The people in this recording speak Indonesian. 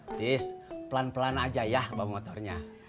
terus pelan pelan aja ya bawa motornya